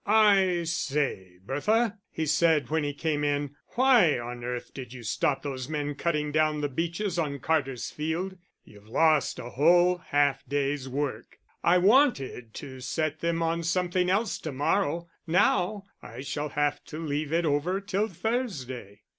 "I say, Bertha," he said, when he came in, "why on earth did you stop those men cutting down the beeches on Carter's field? You've lost a whole half day's work. I wanted to set them on something else to morrow, now I shall have to leave it over till Thursday."